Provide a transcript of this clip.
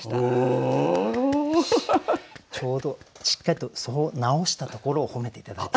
ちょうどしっかりとそう直したところを褒めて頂いて。